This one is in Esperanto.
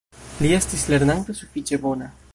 Li estis lernanto sufiĉe bona.